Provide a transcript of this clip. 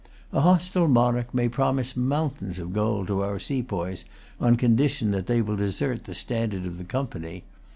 A hostile monarch may promise mountains of gold to our sepoys on condition that they will desert the standard of the Company.